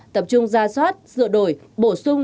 tập trung ra soát dựa đổi bổ sung